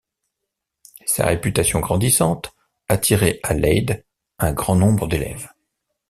Sa réputation grandissante attirait à Leyde un grand nombre d’élèves.